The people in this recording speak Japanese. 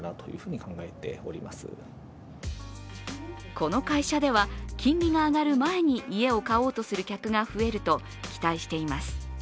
この会社では、金利が上がる前に家を買おうとする客が増えると期待しています。